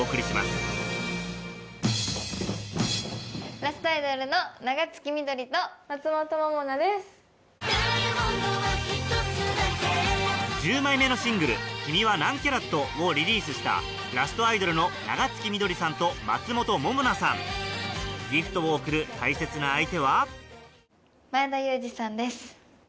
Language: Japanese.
ダイヤモンドは一つだけ１０枚目のシングル『君は何キャラット？』をリリースしたラストアイドルの長月翠さんと松本ももなさんギフトを贈る大切な相手は前田裕二さんです。